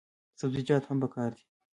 سبزیجات هم پکار دي.